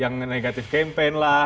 yang negatif campaign lah